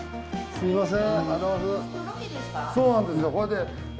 すみません。